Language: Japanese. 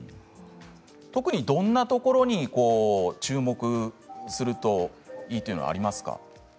特にどんなところに注目するといいというのはありますか。